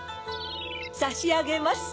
さしあげます。